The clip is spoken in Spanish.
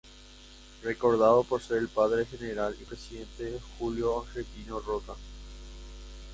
Recordado por ser el padre del general y presidente Julio Argentino Roca.